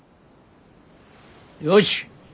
よし。